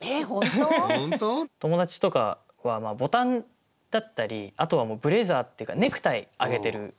友達とかはボタンだったりあとはもうブレザーっていうかネクタイあげてる。